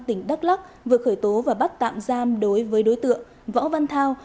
tỉnh đắk lắc vừa khởi tố và bắt tạm giam đối với đối tượng võ văn thao